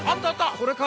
これか。